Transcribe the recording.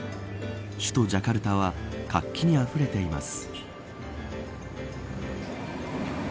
首都ジャカルタは活気にあふれています。